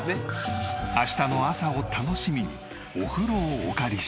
明日の朝を楽しみにお風呂をお借りし。